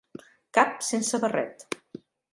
Cap sense barret.